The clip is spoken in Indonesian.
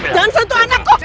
jangan sentuh anakku